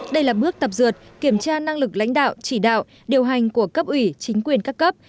đây là bước tập dượt kiểm tra năng lực lãnh đạo chỉ đạo điều hành của cấp ủy chính quyền các cấp